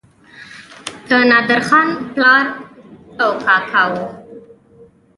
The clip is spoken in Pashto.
د نادرخان پلار او کاکا وو.